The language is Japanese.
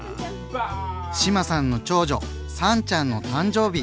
志麻さんの長女燦ちゃんの誕生日。